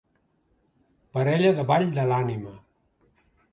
Parella de ball de l'ànima.